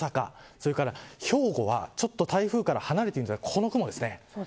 それから兵庫は台風から離れているんですがこの雲ですね。